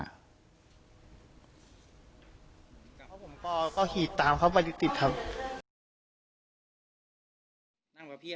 ก็คิดตามเขาไปติดทำ